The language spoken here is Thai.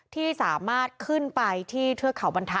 ที่สามารถขึ้นไปที่เทือกเขาบรรทัศ